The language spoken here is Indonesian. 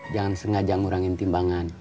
jangan sengaja ngurangin timbangan